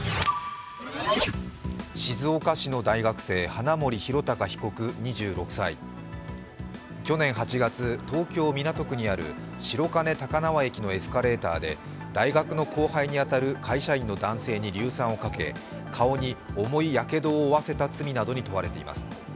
静岡市の大学生・花森弘卓被告２６歳去年８月、東京・港区にある白金高輪駅のエスカレーターで大学の後輩に当たる会社員の男性に硫酸をかけ顔に重いやけどを負わせた罪などに問われています。